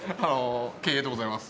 経営でございます。